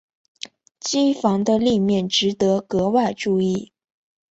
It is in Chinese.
机房的立面值得格外注意。